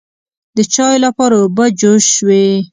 د چایو لپاره اوبه جوش شوې.